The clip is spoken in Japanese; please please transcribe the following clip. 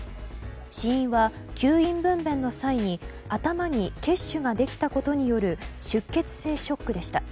死因は吸引分娩の際に頭に血腫ができたことによる出血性ショックでした。